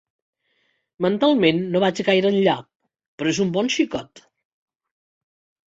Mentalment no va gaire enllà, però és un bon xicot.